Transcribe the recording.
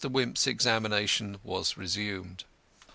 Wimp's examination was resumed.